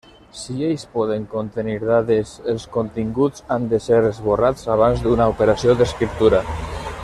Si ells poden contenir dades, els continguts han de ser esborrats abans d'una operació d'escriptura.